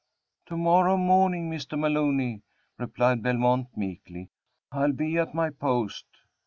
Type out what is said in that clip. "To morrow morning, Mr. Maloney," replied Belmont, meekly, "I'll be at my post."